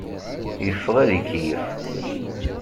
Yeffeɣ ad ikeyyef.